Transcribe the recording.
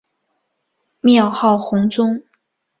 庙号弘宗。